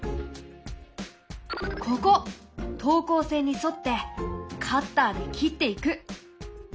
ここ等高線に沿ってカッターで切っていく！